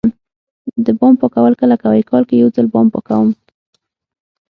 د بام پاکول کله کوئ؟ کال کې یوځل بام پاکوم